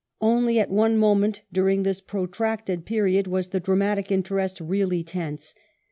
Only at one moment during this protracted period was the dramatic interest really tense.